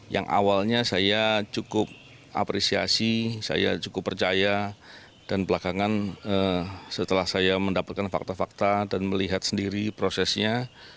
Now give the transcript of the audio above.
yang awalnya saya cukup apresiasi saya cukup percaya dan belakangan setelah saya mendapatkan fakta fakta dan melihat sendiri prosesnya